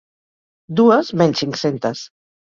Dues menys cinc-centes.